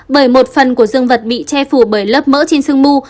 bởi một phần của dương vật bị che phủ bởi lớp mỡ trên xương mu